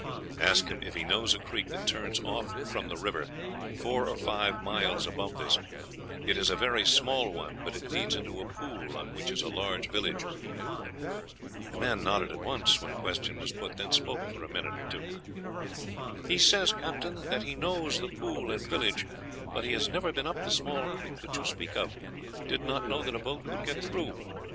"Ask him if he knows a creek that turns off from the river four or five miles above this; it is a very small one, but it leads into a pool on which is a large village." The man nodded at once, when the question was put, then spoke for a minute or two. "He says, Captain, that he knows the pool and village; but he has never been up the small creek that you speak of. Did not know that a boat could get through.